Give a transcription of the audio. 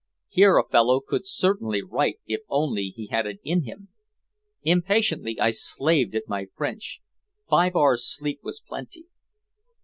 Here a fellow could certainly write if only he had it in him. Impatiently I slaved at my French. Five hours sleep was plenty.